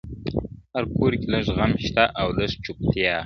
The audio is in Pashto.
هر کور کي لږ غم شته او لږ چوپتيا,